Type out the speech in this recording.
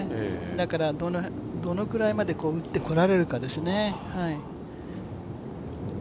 だからどのくらいまで打ってこられるかですよね。